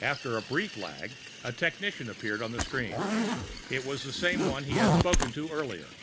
After a brief lag a technician appeared on the screen. It was the same one he had spoken to earlier.